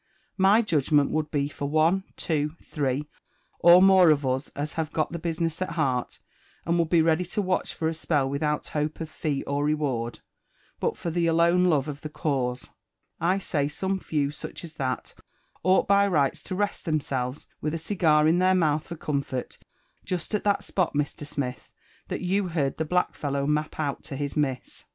My judgment would be for one, two, three, or more of us as hoive got the business at heart, and would be ready to watch for a spell without hope of fee or reward, but for the alone love of the cause ;— I' say some few such as that ought by rights to rest themselves, with a cigar in their mouth for comfort, jest at that spot, Mr. Smith, that you heard the black follow map out to his miss.